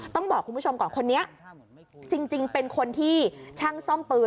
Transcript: ต้องบอกคุณผู้ชมก่อนคนนี้จริงเป็นคนที่ช่างซ่อมปืน